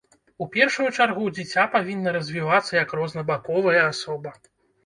У першую чаргу, дзіця павінна развівацца як рознабаковая асоба.